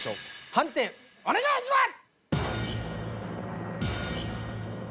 判定お願いします！